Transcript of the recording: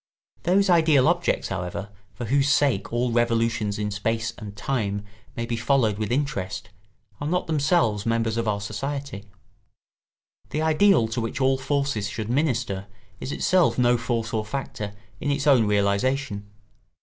] Those ideal objects, however, for whose sake all revolutions in space and time may be followed with interest, are not themselves members of our society. The ideal to which all forces should minister is itself no force or factor in its own realisation.